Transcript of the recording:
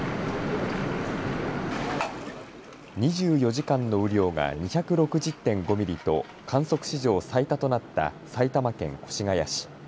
２４時間の雨量が２６０．５ミリと観測史上最多となった埼玉県越谷市。